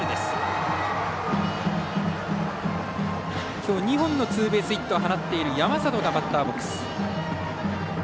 きょう２本のツーベースヒットを放っている山里がバッターボックス。